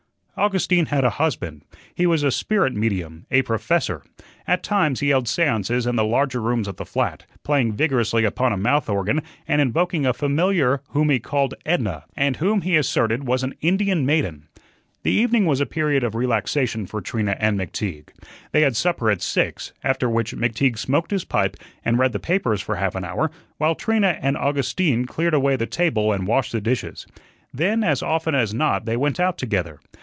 Augustine had a husband. He was a spirit medium a "professor." At times he held seances in the larger rooms of the flat, playing vigorously upon a mouth organ and invoking a familiar whom he called "Edna," and whom he asserted was an Indian maiden. The evening was a period of relaxation for Trina and McTeague. They had supper at six, after which McTeague smoked his pipe and read the papers for half an hour, while Trina and Augustine cleared away the table and washed the dishes. Then, as often as not, they went out together.